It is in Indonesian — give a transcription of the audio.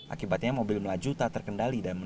akibatnya mobil melaju tak terkendali